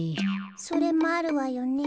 それもあるわよね。